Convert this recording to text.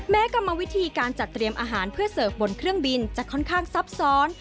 กรรมวิธีการจัดเตรียมอาหารเพื่อเสิร์ฟบนเครื่องบินจะค่อนข้างซับซ้อน